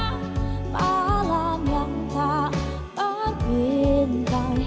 malam yang tak berbintang